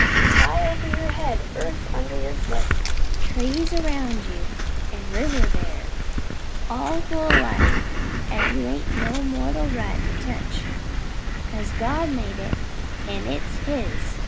Sky over your head, earth under foot, trees around you, an' river there all full o' life 'at you ain't no mortal right to touch, 'cos God made it, an' it's His!